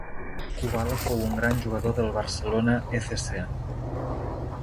Kubala fou un gran jugador del Barcelona F C